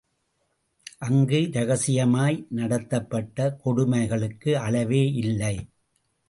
அங்கு இரகசியமாய் நடத்தபட்ட கொடுமைகளுக்கு அளவேயில்லை.